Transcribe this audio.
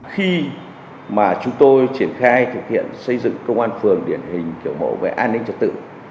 khi mà chúng tôi triển khai thực hiện xây dựng công an phường điển hình kiểu mẫu về an ninh trật tự